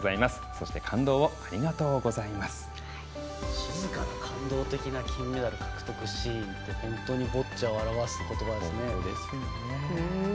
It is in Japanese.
静かな、感動的な金メダル獲得シーンって本当にボッチャを表すことばですね。